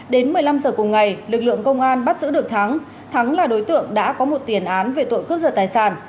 đến một mươi năm giờ cùng ngày lực lượng công an bắt giữ được thắng thắng là đối tượng đã có một tiền án về tội cướp giật tài sản